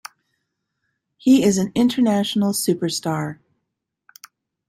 He is an international superstar.